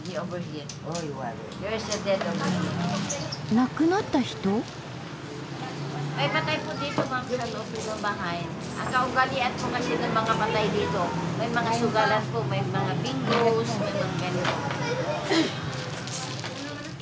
亡くなった人？え？